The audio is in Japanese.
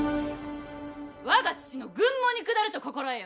わが父の軍門に下ると心得よ。